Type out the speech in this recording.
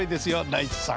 ナイツさん。